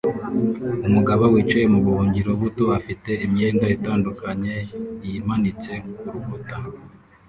Umugabo wicaye mu buhungiro buto afite imyenda itandukanye yimanitse kurukuta